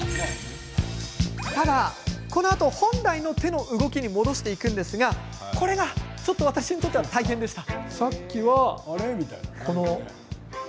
ただ、このあと本来の手の動きに戻していくんですがこれが、ちょっと大変でした。